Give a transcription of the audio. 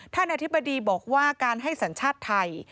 อธิบดีบอกว่าการให้สัญชาติไทย